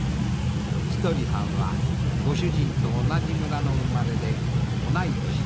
ちどりさんはご主人と同じ村の生まれで同い年の２５歳です。